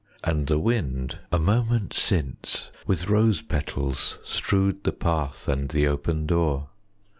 And the wind, a moment since, With rose petals strewed the path 5 And the open door.